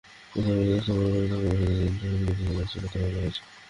তবে রাস্তায় বরফ থাকায় বাসিন্দাদের ধীর গতিতে গাড়ি চালাতে বলা হয়েছে।